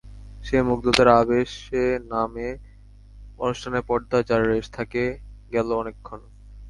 সেই মুগ্ধতার আবেশে নামে অনুষ্ঠানের পর্দা, যার রেশ থেকে গেল অনেকক্ষণ।